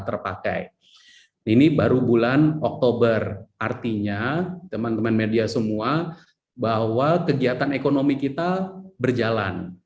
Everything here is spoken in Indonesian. terpakai ini baru bulan oktober artinya teman teman media semua bahwa kegiatan ekonomi kita berjalan